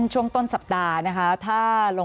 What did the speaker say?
สวัสดีครับทุกคน